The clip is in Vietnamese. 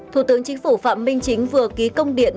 thủ tướng chính phủ phạm minh chính vừa ký công điện